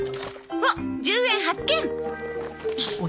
おっ１０円発見！